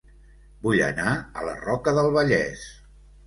Vull anar a La Roca del Vallès